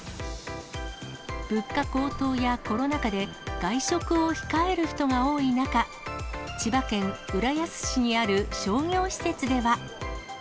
物価高騰やコロナ禍で、外食を控える人が多い中、千葉県浦安市にある商業施設では。